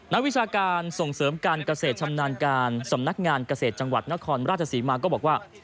วิชาการส่งเสริมการเกษตรชำนาญการสำนักงานเกษตรจังหวัดนครราชศรีมาก็บอกว่า